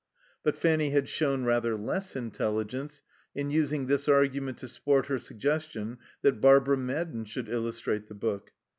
But Fanny had shown rather less intelligence in using this argument to support her suggestion that Barbara Madden should illustrate the book.